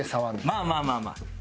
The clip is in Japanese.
まあまあまあまあ。